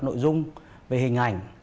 nội dung về hình ảnh